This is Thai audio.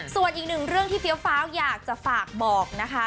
ส่วนอีกหนึ่งเรื่องที่เฟี้ยวฟ้าวอยากจะฝากบอกนะคะ